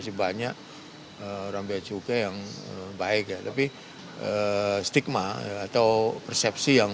tapi bagi saya yang penting adalah apa yang sudah ramai yang kemudian memunculkan persepsi yang tidak baik kepada pajak kepada biaya cukai